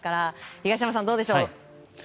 東山さん、どうでしょう。